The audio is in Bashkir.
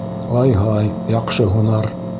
Ай-һай, яҡшы һунар!